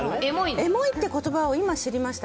エモいっていうことばを今、知りました。